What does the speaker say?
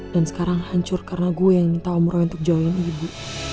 dan sekarang hancur karena gue yang minta omroh untuk join ibu